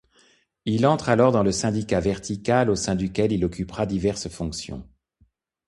Il entre alors dans le Syndicat vertical, au sein duquel il occupera diverses fonctions.